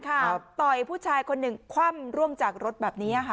ต่อยผู้ชายคนหนึ่งคว่ำร่วมจากรถแบบนี้ค่ะ